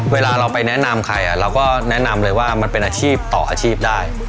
เวลาเราไปแนะนำใครเราก็แนะนำเลยว่ามันเป็นอาชีพต่ออาชีพได้